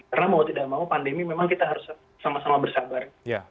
karena mau tidak mau pandemi memang kita harus sama sama bersabar